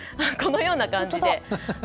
このような感じで。